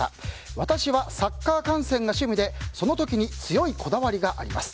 私はサッカー観戦が趣味でその時に強いこだわりがあります。